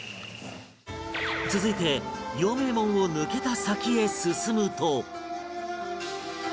続いて陽明門を抜けた先へ進むと